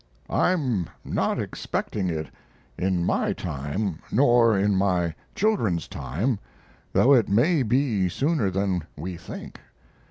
"I'm not expecting it in my time nor in my children's time, though it may be sooner than we think.